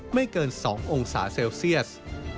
ไม่เกิน๒องศาเซลเซียส